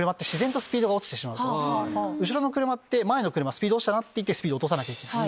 後ろの車って前の車スピード落ちたなってスピード落とさなきゃいけない。